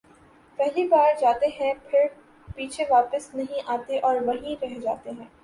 پہلے باہر جا تے ہیں پھر بچے واپس نہیں آتے اور وہیں رہ جاتے ہیں